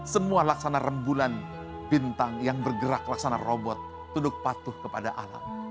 semua laksana rembulan bintang yang bergerak laksana robot tunduk patuh kepada alam